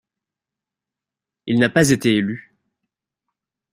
Il n'a pas été élu.